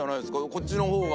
こっちの方が。